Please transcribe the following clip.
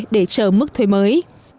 để chờ mức thuê mới